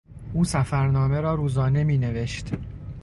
او سفرنامه را روزانه مینوشت.